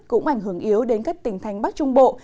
cũng ảnh hưởng yếu đến các tỉnh thành bắc trung bộ